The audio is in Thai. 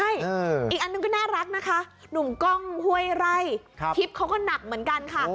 ใช่อีกอันนึงก็น่ารักนะคะหนุ่มกล้องห้วยไร่ทริปเขาก็หนักเหมือนกันค่ะ